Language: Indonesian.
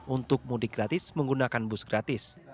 untuk mudik gratis menggunakan bus gratis